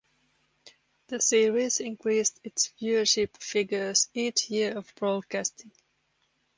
The series increased its viewership figures each year of broadcasting.